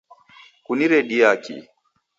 Kuniredia kii